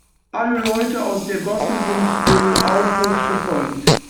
Alle Leute aus der Gosse sind dem Aufruf gefolgt.